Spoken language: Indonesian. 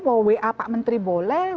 mau wa pak menteri boleh